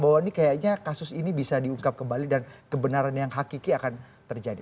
bahwa ini kayaknya kasus ini bisa diungkap kembali dan kebenaran yang hakiki akan terjadi